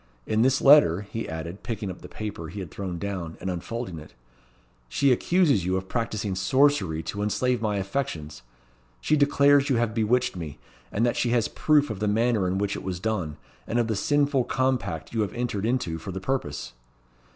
In this letter," he added, picking up the paper he had thrown down, and unfolding it, "she accuses you of practising sorcery to enslave my affections. She declares you have bewitched me; and that she has proof of the manner in which it was done, and of the sinful compact you have entered into for the purpose."